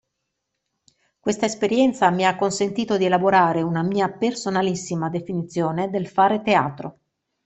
Questa esperienza mi ha consentito di elaborare una mia personalissima definizione del fare teatro.